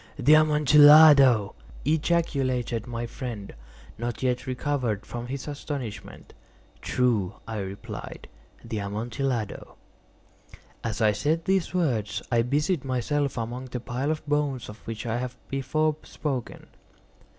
"The Amontillado!" ejaculated my friend, not yet recovered from his astonishment. "True," I replied; "the Amontillado." As I said these words I busied myself among the pile of bones of which I have before spoken.